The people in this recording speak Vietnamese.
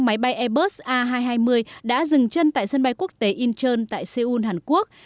máy bay airbus a hai trăm hai mươi đã dừng chân tại sân bay quốc tế incheon tại seoul hàn quốc